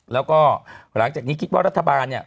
แล้วก็หลังจากนี้คิดว่ารัฐบาลเนี่ย